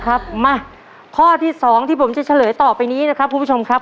ครับมาข้อที่สองที่ผมจะเฉลยต่อไปนี้นะครับคุณผู้ชมครับ